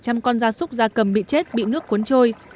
các con da súc ra cầm bị chết bị nước cuốn trôi